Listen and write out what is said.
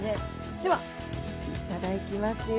ではいただきますよ。